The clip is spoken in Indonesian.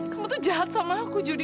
kamu tuh jahat sama aku jadi